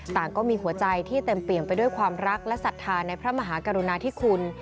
ก็มีหัวใจที่เต็มเปี่ยมไปด้วยความรักและศรัทธาในพระมหากรุณาธิคุณ